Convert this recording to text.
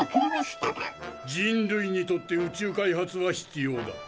人類にとって宇宙開発は必要だ。